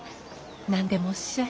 何でもおっしゃい。